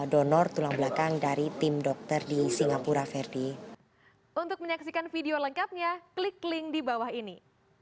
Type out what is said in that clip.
donor tulang belakang dari tim dokter di singapura verdi